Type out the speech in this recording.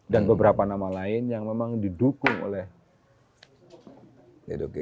dan beberapa nama lain yang memang didukung oleh jokowi